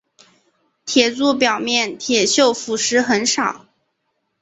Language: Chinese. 铁柱表面铁锈腐蚀很少。